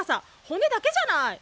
骨だけじゃない。